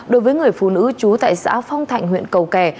đối với người phụ nữ trú tại xã phong thạnh huyện cầu kè